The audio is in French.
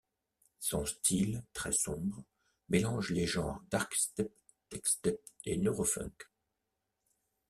Son style très sombre mélange les genres darkstep, techstep et neurofunk.